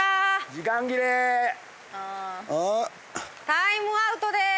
タイムアウトです！